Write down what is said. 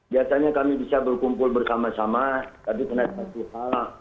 biasanya kami bisa berkumpul bersama sama tapi kena berdua